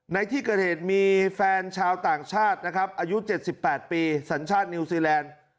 ในที่เกิดเหตุมีแฟนชาวต่างชาตินะครับอายุ๗๘ปีสัญชาตินิวซีแลนด์